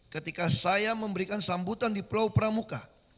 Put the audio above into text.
ketika saya memberikan sambutan di pulau pramuka